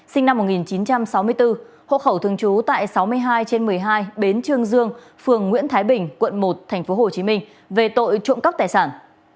sinh năm một nghìn chín trăm sáu mươi bốn hộ khẩu thường trú tại sáu mươi hai trên một mươi hai bến trương dương phường nguyễn thái bình quận một tp hcm về tội trộm cắp tài sản